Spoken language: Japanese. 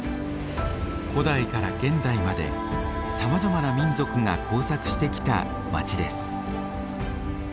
古代から現代までさまざまな民族が交錯してきた街です。